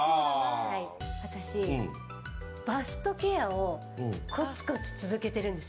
私、バストケアをコツコツ続けているんです。